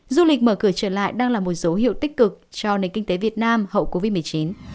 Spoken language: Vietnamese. du lịch mở cửa trở lại đang là một dấu hiệu tích cực cho nền kinh tế việt nam hậu covid một mươi chín